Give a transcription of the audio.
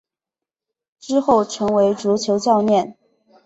之后成为足球教练。